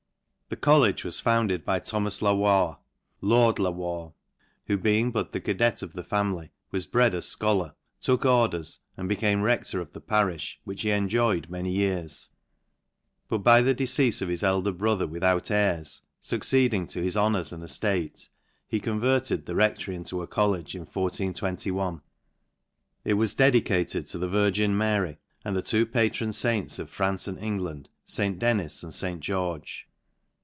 The college was foun ded by Thomas La IVarre, lord La Warre, who be ing but the cadet of the family, was bred a fcholar, took orders, and became reclor of the pariffa, which he enjoyed many years: but by the deceafe of his. elder brother without heirs, fucceeding to his ho nours and eftate, he converted the reclory into a college in 1421, It was dedicated to the Virgin Mary , and the two patron faints of France and Eng land, St. Denys and St. George..